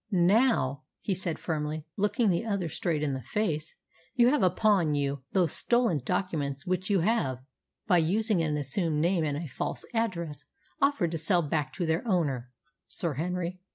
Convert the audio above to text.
Now," he said firmly, looking the other straight in the face, "you have upon you those stolen documents which you have, by using an assumed name and a false address, offered to sell back to their owner, Sir Henry.